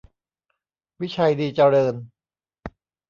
วิชัย ดีเจริญ